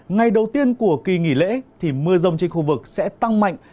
ngày đầu tiên của kỳ nghỉ lễ thì mưa rông trên khu vực sẽ tăng mạnh